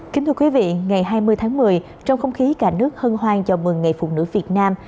kính thưa quý vị ngày hai mươi tháng một mươi trong không khí cả nước hân hoan chào mừng ngày phụ nữ việt nam